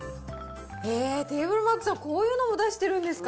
へー、テーブルマークさん、こういうのも出してるんですか。